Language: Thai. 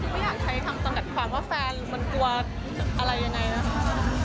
ไม่อยากใช้คำจำกัดความว่าแฟนหรือมันกลัวอะไรยังไงนะคะ